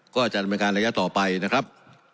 ก็จะบรรยาการระยะต่อไปนะครับ